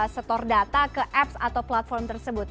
store data ke apps atau platform tersebut